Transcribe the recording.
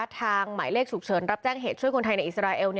หมายเลขฉุกเฉินรับแจ้งเหตุช่วยคนไทยในอิสราเอล